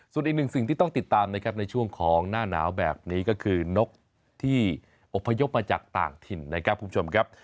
ส่วนอีกหนึ่งสิ่งที่ต้องติดตามนะครับในช่วงของหน้าหนาวแบบนี้ก็คือนกที่อบพยพมาจากต่างถิ่นนะครับคุณผู้ชมครับ